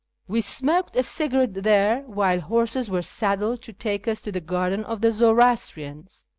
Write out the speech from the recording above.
We smoked a cigarette there, while horses were saddled to take us to the garden of the Zoroastrians.